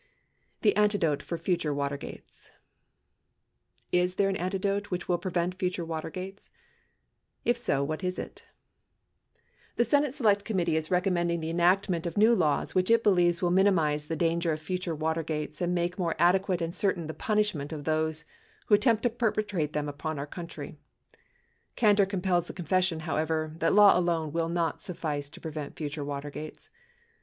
Tun Antidote for Future Watergates Is there an antidote which will prevent future Watergates? If so, what is it. ? The Senate Select Committee is recommending the enactment of new laws which it believes will minimize the danger of future Water gates and make more adequate and certain the punishment of those who attempt to perpetrate them upon our country. Candor compels the confession, however, that law alone will not suffice to prevent future Watergates.